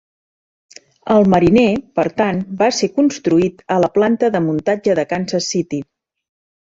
El Mariner, per tant, va ser construït a la planta de muntatge de Kansas City.